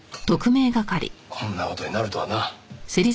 こんな事になるとはな。